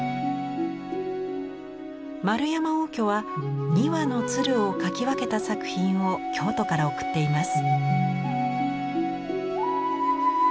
円山応挙は２羽の鶴を描き分けた作品を京都から贈っています。